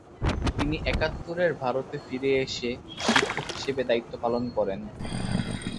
তিনি একাত্তরে ভারতে ফিরে এসে শিক্ষক হিসাবে দায়িত্ব পালন করেন।